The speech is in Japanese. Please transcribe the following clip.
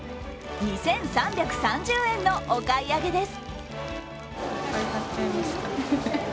２３３０円のお買い上げです。